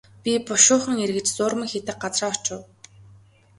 Би бушуухан эргэж зуурмаг хийдэг газраа очив.